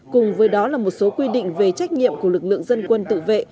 cùng với đó là một số quy định về trách nhiệm của lực lượng dân quân tự vệ